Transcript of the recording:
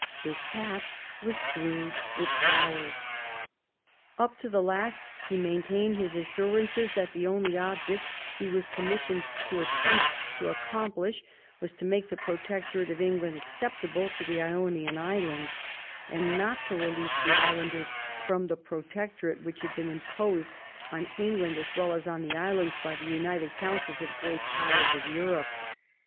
His path was strewed with flowers. Up to the last he maintained his assurances that the only object he was commissioned to attempt to accomplish was to make the Protecto rate of England acceptable to the Ionian Islands, and not to release the islanders from the Protec torate which had been imposed on England as well as on the islands by the united counsels of the Great Powers of Europe.